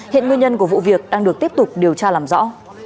hiện nguyên nhân của vụ việc đang được tiếp tục điều tra làm rõ